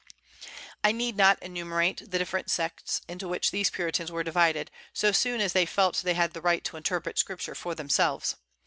I need not enumerate the different sects into which these Puritans were divided, so soon as they felt they had the right to interpret Scripture for themselves.